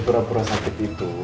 pura pura sakit itu